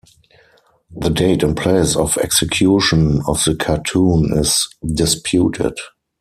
The date and place of execution of the cartoon is disputed.